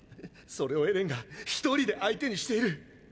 それをエレンが一人で相手にしている！